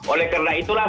oleh karena itulah